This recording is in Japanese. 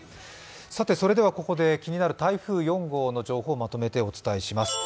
それではここで気になる台風４号の情報をまとめてお伝えします。